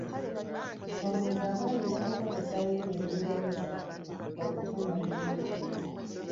Omuntu aba alina kukozesa lulimi Olungereza okufuna omulimu.